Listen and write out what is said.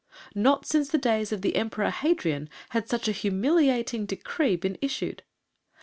Not since the days of the Emperor Hadrian had such a humiliating decree been issued.